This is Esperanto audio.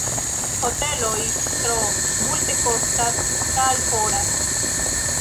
Hoteloj tro multekostas kaj foras.